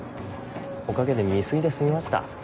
おかげで未遂で済みました